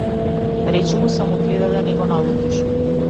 Речи му само гледај да не го налутиш.